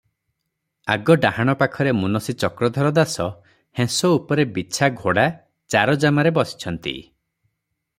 ଆଗ ଡାହାଣପାଖରେ ମୁନସି ଚକ୍ରଧର ଦାସ ହେଁସ ଉପରେ ବିଛା ଘୋଡ଼ା ଚାରଜାମାରେ ବସିଛନ୍ତି ।